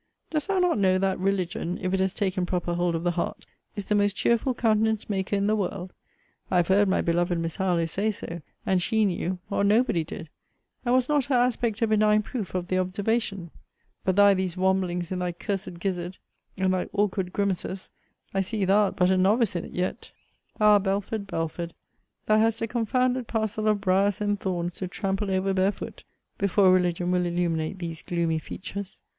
Dost thou not know, that religion, if it has taken proper hold of the heart, is the most cheerful countenance maker in the world? I have heard my beloved Miss Harlowe say so: and she knew, or nobody did. And was not her aspect a benign proof of the observation? But thy these wamblings in thy cursed gizzard, and thy awkward grimaces, I see thou'rt but a novice in it yet! Ah, Belford, Belford, thou hast a confounded parcel of briers and thorns to trample over barefoot, before religion will illuminate these gloomy features!'